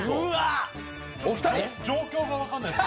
状況が分からないです。